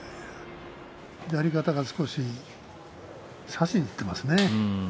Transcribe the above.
やり方が少し差しにいっていますね。